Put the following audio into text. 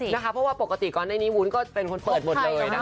วันใช่ค่ะเพราะว่าปกติก่อนในวันนี้วุ้นก็เป็นคนเปิดหมดเลยนะคะ